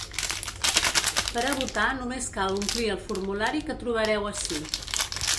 Per a votar només cal omplir el formulari que trobareu ací.